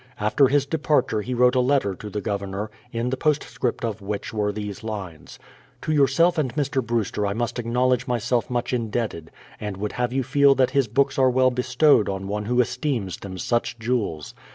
After his departure he Wrote a letter to the Governor, in the postscript of which were these lines : To } ourself and Mr. Brewster I must acknowledge myself much indebted, and would have you feel that his books are well bestowed THE PLYMOUTH SETTLEMENT 109 on one who esteems them such jewels.